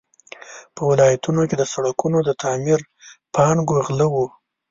په ولایتونو کې د سړکونو د تعمیر پانګو غله وو.